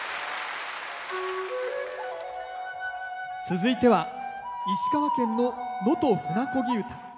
続いては石川県の「能登舟漕ぎ唄」。